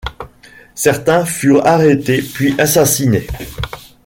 Certains furent arrêtés puis assassinés.